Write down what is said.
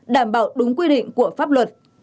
đảm bảo đúng quy định của pháp luật